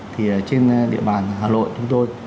thì trên địa bàn hà lội chúng tôi